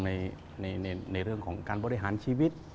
ในเรื่องของการบริหารชีวิต